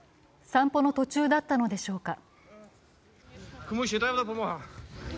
散歩の途中だったのでしょうか。